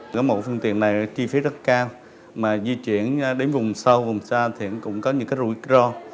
cái mẫu phương tiện này chi phí rất cao mà di chuyển đến vùng sâu vùng xa thì cũng có những cái rủi ro